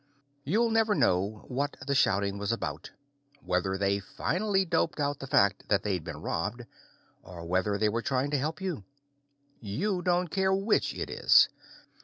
You'll never know what the shouting was about whether they finally doped out the fact that they'd been robbed, or whether they were trying to help you. You don't care which it is.